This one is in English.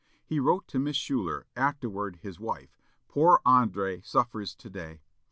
He wrote to Miss Schuyler, afterward his wife, "Poor André suffers to day.